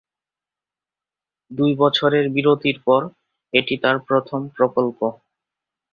দুই বছরের বিরতির পর এটি তার প্রথম প্রকল্প।